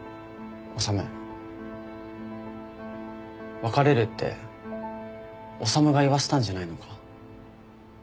別れるって修が言わせたんじゃないのか？